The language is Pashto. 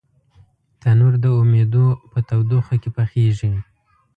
تنور د امیدو په تودوخه کې پخېږي